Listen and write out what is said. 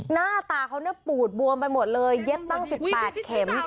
หน้าตาเขาเนี่ยปูดบวมไปหมดเลยเย็บตั้ง๑๘เข็ม